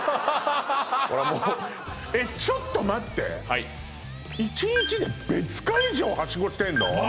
これはもうえっちょっと待って１日で別会場はしごしてんの？